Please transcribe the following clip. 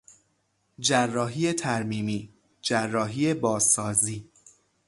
جراحی ترمیمی، جراحی بازسازی